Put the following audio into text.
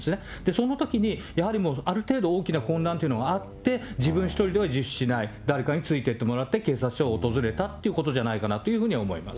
そのときに、やはりもうある程度、大きな混乱っていうのがあって、自分１人では自首しない、誰かについていってもらって、警察署を訪れたっていうことじゃないかなっていうふうに思います。